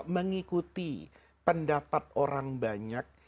mengikuti pendapat orang banyak